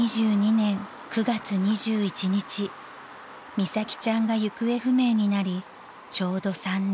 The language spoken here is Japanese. ［美咲ちゃんが行方不明になりちょうど３年］